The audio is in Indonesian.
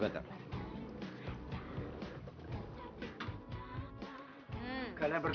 bluh bluh bluh bluh